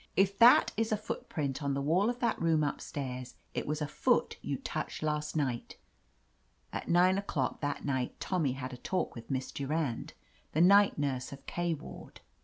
"If that is a footprint on the wall of that room up stairs, it was a foot you touched last night." At nine o'clock that night Tommy had a talk 124 OF LETITIA CARBERRY with Miss Durand, the night nurse of K ward.